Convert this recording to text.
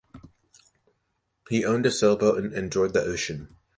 He owned a sail boat and enjoyed the ocean.